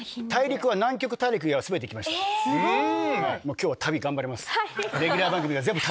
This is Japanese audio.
今日は旅頑張ります。